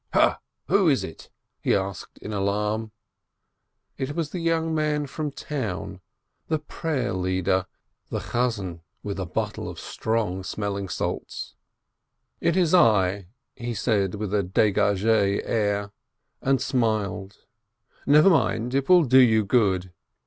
"Ha, who is it?" he asked in alarm. It was the young man from town, the prayer leader, with a bottle of strong smelling salts. "It is I," he said with a degage air, and smiled. "Never mind, it will do you good!